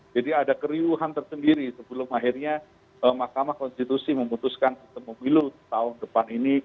jadi ada keriuhan tersendiri sebelum akhirnya mahkamah konstitusi memutuskan sistem pemilu tahun depan ini